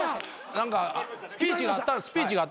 何かスピーチがあったんやろ？